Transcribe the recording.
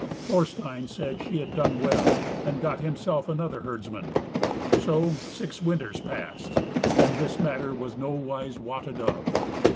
Thorstein said she had done well, and got himself another herdsman. So six winters passed, and this matter was nowise wotted of.